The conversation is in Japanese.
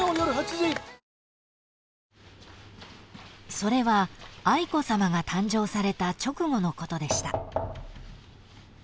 ［それは愛子さまが誕生された直後のことでした］